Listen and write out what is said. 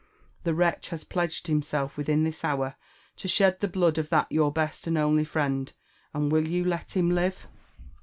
The wretch has pledged himself within this hour to shed the blood of that your best and only friend ^and will you let him live